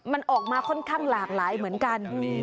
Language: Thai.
มันออกมาค่อนข้างหลากหลายเหมือนกัน